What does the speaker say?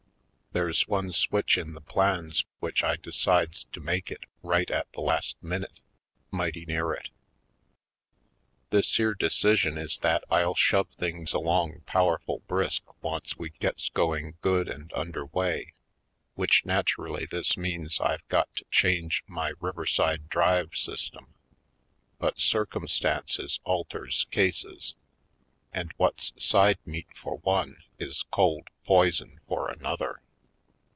There's one switch in the plans, which I decides to make it right at the last minute, mighty near it. This here decision is that I'll shove things along pow erful brisk once we gets going good and under Way; which naturally this means I've got to change my Riverside Drive system. But circumstances alters cases and what's side meat for one is cold poison for another.